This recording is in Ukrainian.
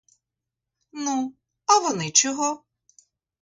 Ну, а вони чого?